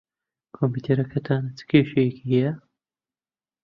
کۆمپیوتەرەکەتان چ کێشەیەکی ھەیە؟